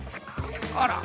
あら！